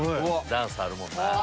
ダンスあるもんなぁ。